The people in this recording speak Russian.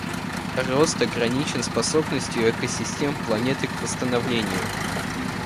Рост ограничен способностью экосистем планеты к восстановлению.